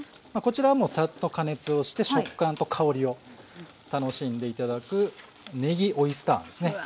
こちらはもうさっと加熱をして食感と香りを楽しんで頂くねぎオイスターあんですね。